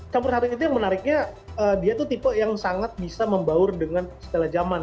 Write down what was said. campur satu itu yang menariknya dia tuh tipe yang sangat bisa membaur dengan segala zaman